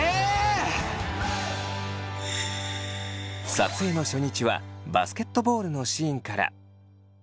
撮影の初日はバスケットボールのシーンから。